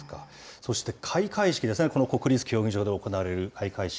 そして開会式ですね、この国立競技場で行われる開会式。